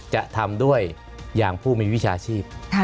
จะทำด้วยอย่างผู้มีวิชาชีพ